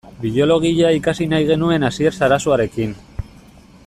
Biologia ikasi nahi izan genuen Asier Sarasuarekin.